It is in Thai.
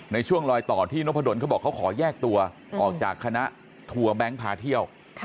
ในช่วงรอยต่อที่นพแบงเกร์บอกขอแยกตัวออกจากคณะทัวว์แบงเกร์พาเที่ยว